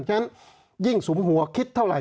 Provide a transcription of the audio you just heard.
ฉะนั้นยิ่งสุมหัวคิดเท่าไห